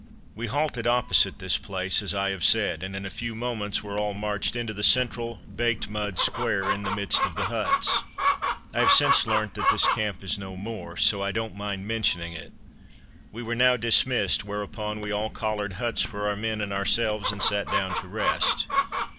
We halted opposite this place, as I have said, and in a few moments were all marched into the central, baked mud square, in the midst of the huts. I have since learnt that this camp is no more, so I don't mind mentioning it. We were now dismissed, whereupon we all collared huts for our men and ourselves, and sat down to rest.